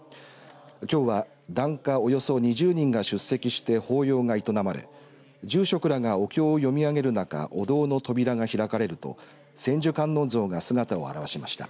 きょうは檀家、およそ２０人が出席して法要が営まれ住職らがお経を読み上げる中お堂の扉が開かれると千手観音像が姿を現しました。